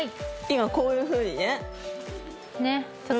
今こういうふうにね。